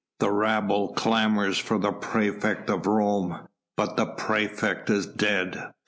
"The rabble clamours for the praefect of Rome! but the praefect is dead...."